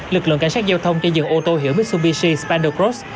lực lượng cảnh sát giao thông cho dựng ô tô hiểu mitsubishi spandau cross